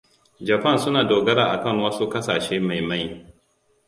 Japan suna dogara akan wasu kasashe ma mai.